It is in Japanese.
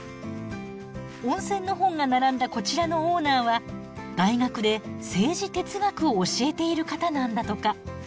温泉の本が並んだこちらのオーナーは大学で政治哲学を教えている方なんだとか。